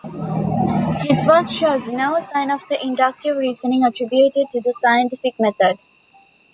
His work shows no sign of the inductive reasoning attributed to the scientific method.